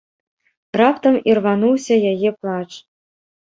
Раптам ірвануўся яе плач.